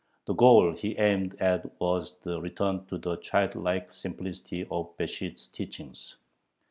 The goal he aimed at was the return to the childlike simplicity of Besht's teachings.